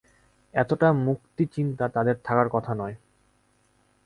এতটা মুক্তচিন্তা তাদের থাকার কথা নয়।